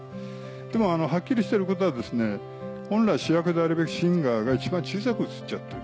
でもはっきりしてることは本来主役であるべきシンガーが一番小さく映っちゃってる。